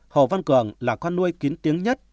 hồ văn cường là con nuôi kín tiếng nhất